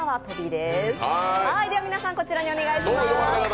では皆さん、こちらにお願いします